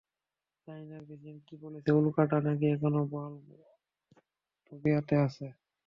চায়নার president Xi বলছেন, উল্কাটা নাকি এখনও বহাল তবিয়তে আছে!